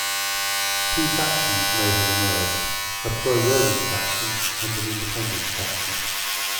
Two factions may have emerged: a pro-Roman faction and an independence faction.